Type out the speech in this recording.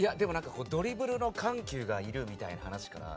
ドリブルの緩急がいるみたいな話かな？